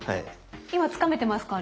今つかめてますか？